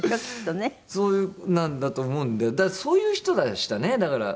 そうなんだと思うんでそういう人でしたねだから。